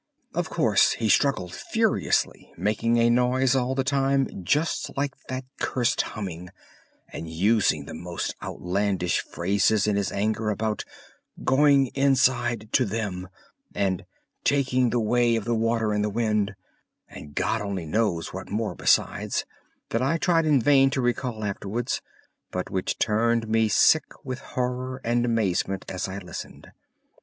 Of course he struggled furiously, making a noise all the time just like that cursed humming, and using the most outlandish phrases in his anger about "going inside to Them," and "taking the way of the water and the wind," and God only knows what more besides, that I tried in vain to recall afterwards, but which turned me sick with horror and amazement as I listened.